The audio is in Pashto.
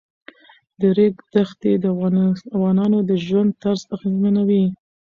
د ریګ دښتې د افغانانو د ژوند طرز اغېزمنوي.